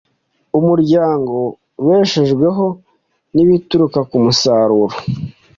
umuryango ubeshejweho n ibituruka ku musaruro